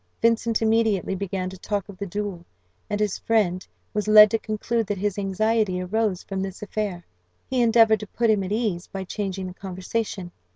Vincent immediately began to talk of the duel, and his friend was led to conclude that his anxiety arose from this affair. He endeavoured to put him at ease by changing the conversation.